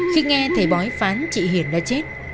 khi nghe thầy bói phán chị hiền đã chết